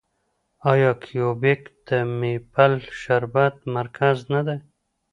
آیا کیوبیک د میپل شربت مرکز نه دی؟